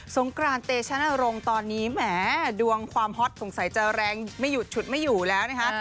งกรานเตชนรงค์ตอนนี้แหมดวงความฮอตสงสัยจะแรงไม่หยุดฉุดไม่อยู่แล้วนะคะ